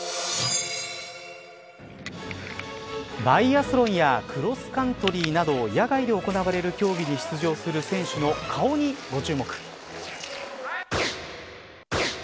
バイアスロンやクロスカントリーなど野外で行われる競技に出場する選手の顔にご注目。